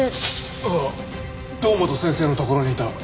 ああ堂本先生のところにいた研修医だ。